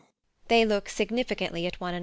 [They look significantly at one another].